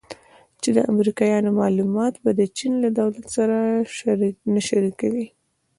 چې د امریکایانو معلومات به د چین له دولت سره نه شریکوي